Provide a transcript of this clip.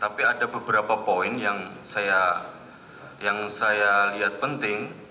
tapi ada beberapa poin yang saya lihat penting